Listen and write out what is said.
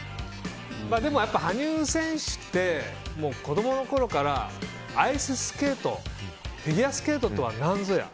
やっぱり羽生選手って子供のころから、アイススケートフィギュアスケートとは何ぞや。